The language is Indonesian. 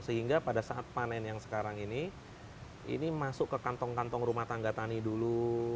jadi pada saat panen yang sekarang ini ini masuk ke kantong kantong rumah tangga tani dulu